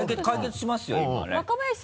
解決しますよ今ね。